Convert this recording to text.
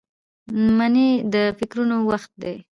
منی د فکرونو وخت دی